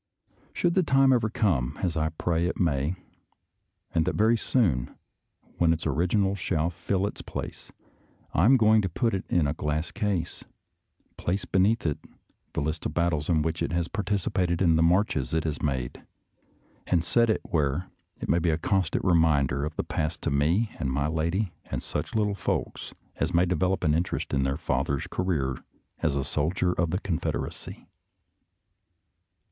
Should the time ever come, as I pray it may, and that very soon, when its original shall fill its place, I am going to put it in a glass case, place beneath it a list of the battles in which it has participated and the marches it has made, and set it where it may be a constant reminder of the past to me and my lady and such little folks as may develop an interest in their father's ca reer as a soldier of the Confederacy.